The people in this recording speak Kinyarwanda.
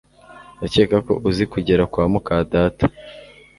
Ndakeka ko uzi kugera kwa muka data